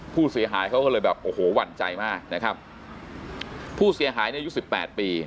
ผู้เสียหายเขาก็เลยวั่นใจมากผู้เสียหายในยุค๑๘ปี